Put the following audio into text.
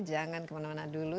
jangan kemana mana dulu